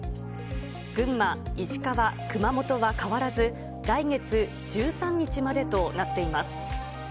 群馬、石川、熊本は変わらず来月１３日までとなっています。